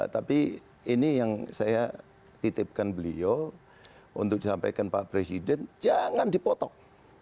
tapi ini yang saya titipkan beliau untuk disampaikan pak presiden jangan dipotong